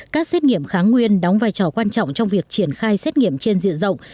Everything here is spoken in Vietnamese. các xét nghiệm kháng nguyên đóng vai trò quan trọng trong việc triển khai xét nghiệm trên diện rộng